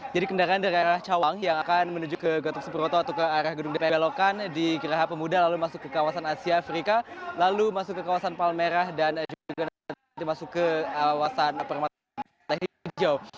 jadi kendaraan dari arah cawang yang akan menuju ke gotop sepuroto atau ke arah gedung dpr di belokan di geraha pemuda lalu masuk ke kawasan asia afrika lalu masuk ke kawasan palmerah dan juga masuk ke kawasan permata hidau